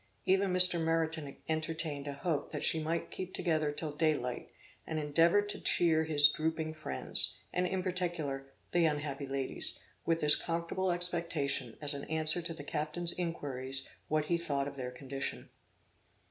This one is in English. Even Mr. Meriton entertained a hope that she might keep together till day light; and endeavored to cheer his drooping friends, and in particular the unhappy ladies, with this comfortable expectation, as an answer to the captain's inquiries what he thought of their condition.